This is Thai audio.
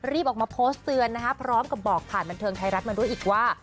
ออกมาโพสต์เตือนนะคะพร้อมกับบอกผ่านบันเทิงไทยรัฐมาด้วยอีกว่า